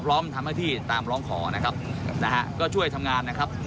พร้อมทำหน้าที่ตามร้องขอนะครับนะฮะก็ช่วยทำงานนะครับ